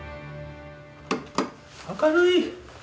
明るい。